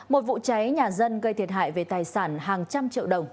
một vụ cháy nhà dân gây thiệt hại về tài sản hàng trăm triệu đồng